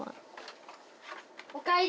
おかえり！